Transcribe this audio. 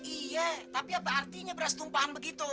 iya tapi apa artinya beras tumpahan begitu